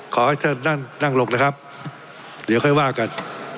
ขอให้เจ้านั่งหลบนะครับเดี๋ยวคว่ากัน